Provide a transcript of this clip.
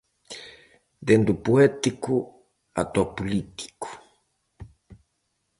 Dende o poético ata o político.